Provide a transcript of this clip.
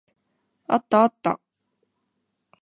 あったあった。